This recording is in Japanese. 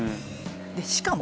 でしかも。